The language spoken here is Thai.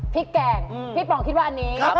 แกงพี่ป๋องคิดว่าอันนี้